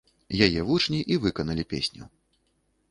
Яе вучні і выканалі песню.